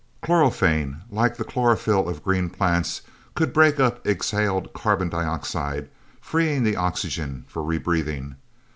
Chlorophane, like the chlorophyl of green plants, could break up exhaled carbon dioxide, freeing the oxygen for re breathing.